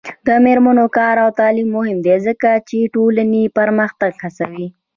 د میرمنو کار او تعلیم مهم دی ځکه چې ټولنې پرمختګ هڅوي.